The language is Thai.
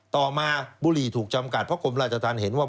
ต่อมาบุหรี่ถูกจำกัดเพราะกรมราชธรรมเห็นว่า